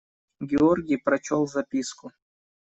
Георгий прочел записку.